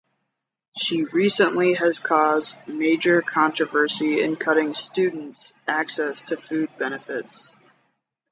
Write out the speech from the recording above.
She recently has caused major controversy in cutting students' access to food benefits.